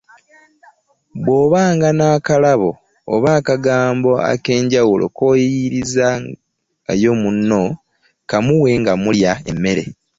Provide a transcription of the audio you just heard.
Bw’obanga n’akalabo oba akagambo ak’enjawulo k’oyiiyiirizzaayo munno, kamuwe nga mulya emmere.